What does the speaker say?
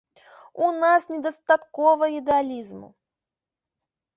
У нас недастаткова ідэалізму.